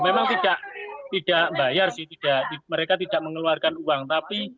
memang tidak bayar sih mereka tidak mengeluarkan uang tapi